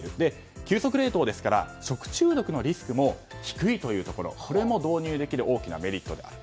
急速冷凍ですから食中毒のリスクも低いというところこれも導入できる大きなメリットであると。